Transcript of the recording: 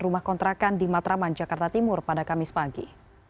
rumah kontrakan di matraman jakarta timur pada kamis pagi